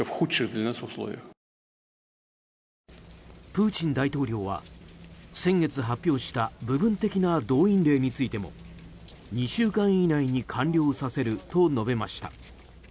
プーチン大統領は先月発表した部分的な動員令についても２週間以内に完了させると述べました。